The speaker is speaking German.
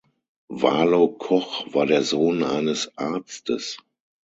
Walo Koch war der Sohn eines Arztes.